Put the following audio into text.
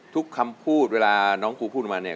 ทุกคำพูดเวลาน้องครูพูดมาเนี่ย